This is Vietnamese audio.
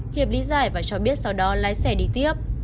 hiệp lý giải và cho biết sau đó lái xe đi tiếp